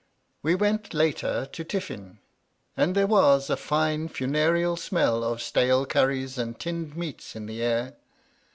We went, later, to tiffin, and there was a fine funereal smeU of stale curries and tinned meats in the air.